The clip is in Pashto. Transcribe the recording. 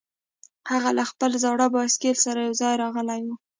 هغه له خپل زاړه بایسکل سره یوځای راغلی و